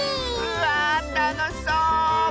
わあたのしそう！